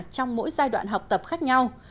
trong mỗi giai đoạn học tập khác nhau